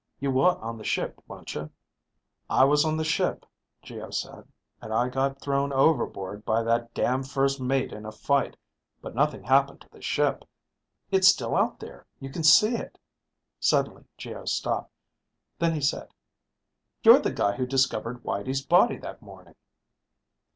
You were on the ship, weren't you?" "I was on the ship," Geo said. "And I got thrown overboard by that damned first mate in a fight. But nothing happened to the ship. It's still out there, you can see it." Suddenly Geo stopped. Then he said, "You're the guy who discovered Whitey's body that morning!"